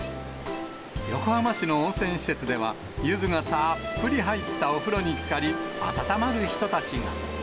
横浜市の温泉施設では、ゆずがたーっぷり入ったお風呂につかり、温まる人たちが。